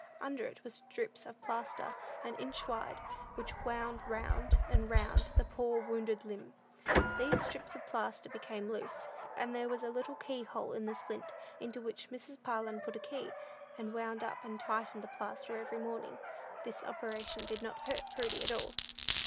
Under it were strips of plaster an inch wide, which wound round and round the poor wounded limb. These strips of plaster became loose, and there was a little key hole in the splint, into which Mrs. Parlin put a key, and wound up and tightened the plaster every morning. This operation did not hurt Prudy at all.